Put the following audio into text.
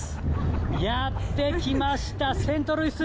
やって来ました、セントルイス。